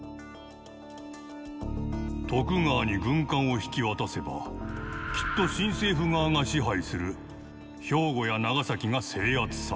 「徳川に軍艦を引き渡せばきっと新政府側が支配する兵庫や長崎が制圧される。